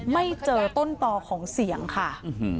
ไม่เจอต้นต่อของเสียงค่ะ